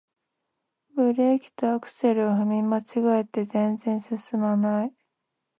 ブレーキとアクセルを踏み間違えて全然すすまない